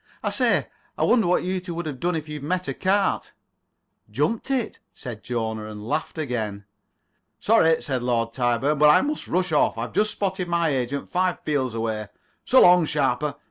I say, I wonder what you two would have done if you'd met a cart?" "Jumped it," said Jona, and laughed again. "Sorry," said Lord Tyburn, "but I must rush off. I've just spotted my agent, five fields away. So long, Sharper.